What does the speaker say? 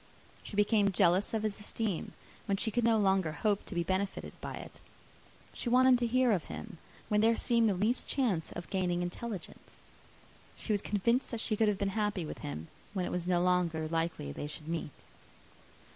She became jealous of his esteem, when she could no longer hope to be benefited by it. She wanted to hear of him, when there seemed the least chance of gaining intelligence. She was convinced that she could have been happy with him, when it was no longer likely they should meet.